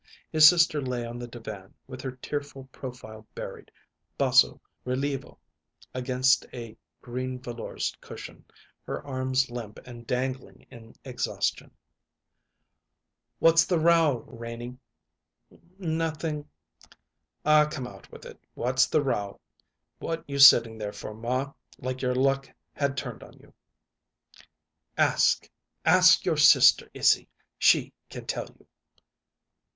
His sister lay on the divan, with her tearful profile buried, basso rilievo, against a green velours cushion, her arms limp and dangling in exhaustion. "What's the row, Renie?" "N nothing." "Aw, come out with it what's the row? What you sitting there for, ma, like your luck had turned on you?" "Ask ask your sister, Izzy; she can tell you."